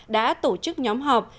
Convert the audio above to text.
đã tổ chức nhóm họp